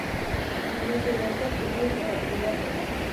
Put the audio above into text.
მონაწილეობდა პირველ მსოფლიო ომში.